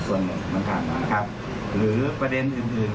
ส่วนหนึ่งเหมือนกันหรือประเด็นอื่น